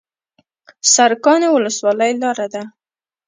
سرکانو ولسوالۍ لاره ده؟